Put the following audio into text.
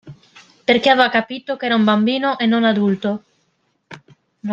Perché aveva capito che era un bambino e non adulto.